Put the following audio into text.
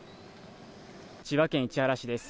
千葉県市原市です。